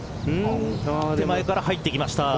手前から入ってきました。